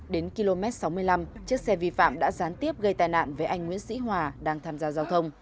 đến km sáu mươi năm chiếc xe vi phạm đã gián tiếp gây tai nạn với anh nguyễn sĩ hòa đang tham gia giao thông